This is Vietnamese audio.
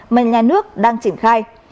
mà nhà nước đang triển khai